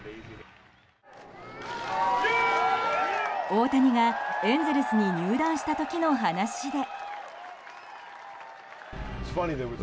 大谷がエンゼルスに入団した時の話で。